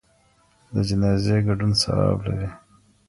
د جنازې ګډون ثواب لري.